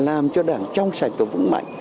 làm cho đảng trong sạch và vững mạnh